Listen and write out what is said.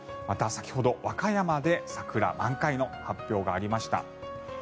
また、先ほど和歌山で桜満開の発表がありました。